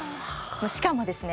しかもですね